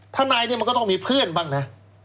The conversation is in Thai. ทานายก็ต้องมีเพื่อนบ้างนะ